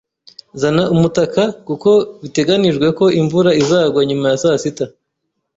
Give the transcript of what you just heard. Zana umutaka kuko biteganijwe ko imvura izagwa nyuma ya saa sita.